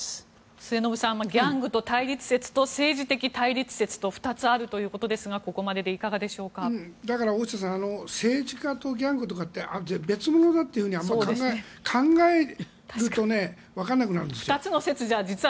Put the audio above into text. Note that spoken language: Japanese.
末延さんギャングと対立説と政治的な対立説と２つあるということですが政治家とギャングとかは別物だとかって考えると分からなくなるんですよ。